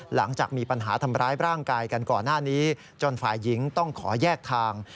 หลังจากมีปัญหาทำร้ายร่างกายกันก่อนหน้านี้จนฝ่ายหญิงต้องขอแยกทาง